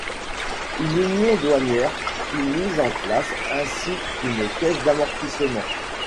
Une union douanière fut mise en place ainsi qu’une caisse d’amortissement.